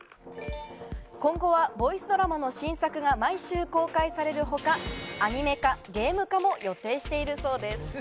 今後はボイスドラマの新作が毎週公開されるほか、アニメ化、ゲーム化も予定しているそうです。